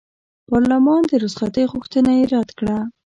پارلمان د رخصتۍ غوښتنه یې رد کړه.